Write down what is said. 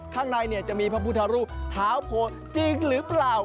ข้างในเนี่ยจะมีพระพุทธภูมิท้าโผล่จริงหรือเปล่า